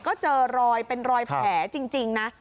ก็เจอรอยเป็นรอยแผลจริงนะ